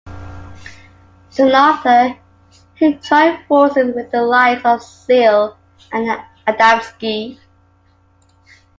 Soon after, he joined forces with the likes of Seal and Adamski.